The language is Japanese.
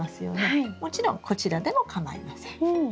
もちろんこちらでもかまいません。